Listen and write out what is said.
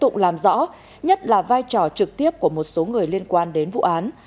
hội đồng xét xử làm rõ nhất là vai trò trực tiếp của một số người liên quan đến vụ án